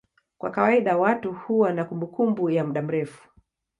Kwa kawaida watu huwa na kumbukumbu ya muda mrefu.